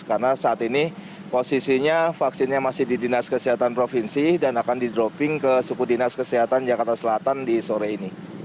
karena saat ini posisinya vaksinnya masih di dinas kesehatan provinsi dan akan di dropping ke suku dinas kesehatan jakarta selatan di sore ini